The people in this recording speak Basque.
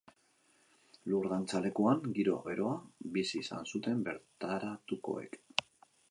Lur dantzalekuan giro beroa bizi izan zuten bertaratutakoek.